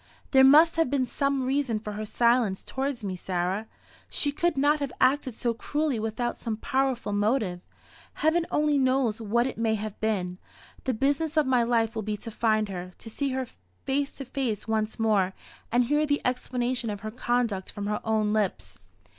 "There must have been some reason for her silence towards me, Sarah. She could not have acted so cruelly without some powerful motive. Heaven only knows what it may have been. The business of my life will be to find her to see her face to face once more, and hear the explanation of her conduct from her own lips."